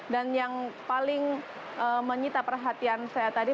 dan yang paling menyita perhatian saya tadi